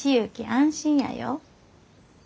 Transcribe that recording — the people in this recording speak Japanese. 安心やよ。